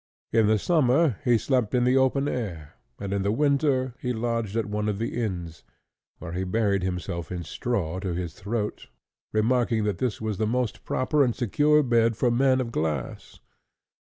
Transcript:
In the summer he slept in the open air, and in the winter he lodged at one of the inns, where he buried himself in straw to his throat, remarking that this was the most proper and secure bed for men of glass.